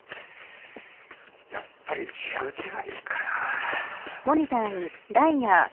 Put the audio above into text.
やっぱり違う手がいいかな。